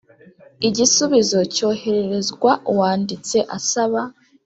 igisubizo cyohererezwa uwanditse asaba